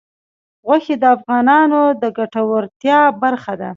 غوښې د افغانانو د ګټورتیا برخه ده.